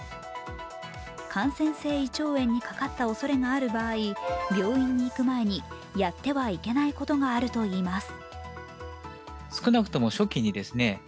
感染性胃腸炎にかかったおそれがある場合、病院に行く前にやってはいけないことがあるといいます。